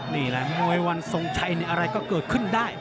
นี่แหละมวยวันทรงชัยนี่อะไรก็เกิดขึ้นได้